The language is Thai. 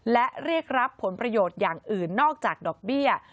และเรียกรับผลประโยชน์อย่างอื่นนอกจากดอกเบี้ย